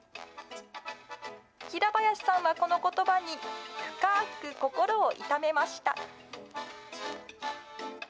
平林さんは、このことばに深く心を痛めました。